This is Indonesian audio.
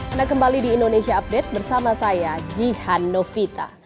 anda kembali di indonesia update bersama saya jihan novita